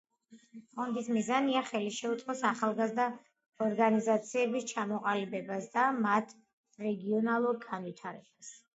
ფონდის მიზანია, ხელი შეუწყოს ახალგაზრდა ორგანიზაციების ჩამოყალიბებას და მათ რეგიონულ განვითარებას.